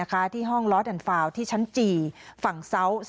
ของ๖๑๐๘๓๕๓